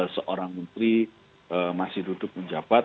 seorang menteri masih duduk menjabat